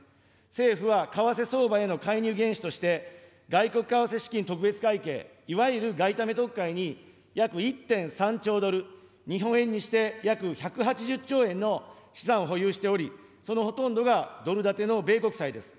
政府は為替相場への介入原資として、外国為替資金特別会計、いわゆる外為特会に約１．３兆ドル、日本円にして約１８０兆円の資産を保有しており、そのほとんどがドル建ての米国債です。